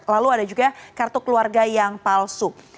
lalu ada juga kartu keluarga yang palsu